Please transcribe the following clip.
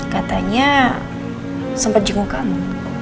katanya sempat jenguk kamu